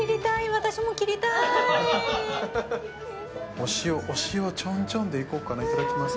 お塩ちょんちょんでいこうかないただきます